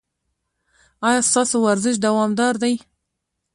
ایا ستاسو ورزش دوامدار دی؟